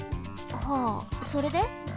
はあそれで？